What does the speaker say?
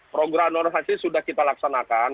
program normalisasi sudah kita laksanakan